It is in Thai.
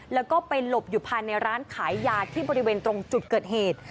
แล้วก็ไปหลบอยู่ภายในร้านขายยาที่บริเวณตรงจุดเกิดเหตุ